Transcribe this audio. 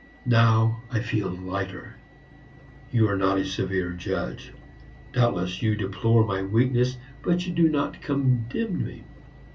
Now I feel lighter. You are not a severe judge. Doubtless you deplore my weakness, but you do not condemn me.